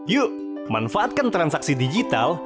yuk manfaatkan transaksi digital